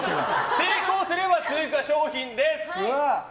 成功すれば追加賞品です。